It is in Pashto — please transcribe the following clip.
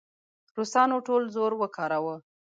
روسانو ټول زور وکاراوه.